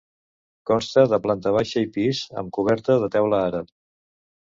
Consta de planta baixa i pis, amb coberta de teula àrab.